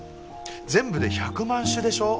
全部で１００万種でしょ？